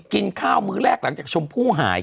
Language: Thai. กินข้าวมื้อแรกหลังจากชมพู่หาย